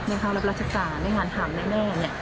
ในภาครับราชกาลได้งานธรรมได้แน่นี่